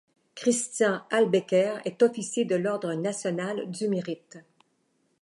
Christian Albecker est officier de l'Ordre national du Mérite.